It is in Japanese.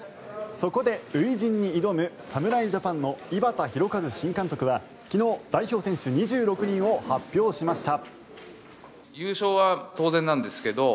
そこで初陣に挑む侍ジャパンの井端弘和新監督は昨日、代表選手２６人を発表しました。